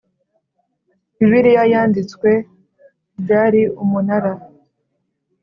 Bibiliya yanditswe ryari umunara